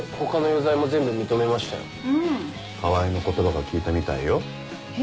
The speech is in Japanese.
川合の言葉が効いたみたいよ。え？